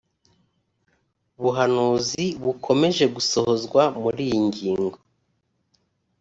buhanuzi bukomeje gusohozwa muri iyi ngingo